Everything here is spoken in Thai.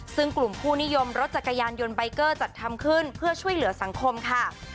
ซึ่งกลุ่มผู้นิยมรถจักรยานยนต์ใบเกอร์จัดทำขึ้นเพื่อช่วยเหลือสังคมค่ะ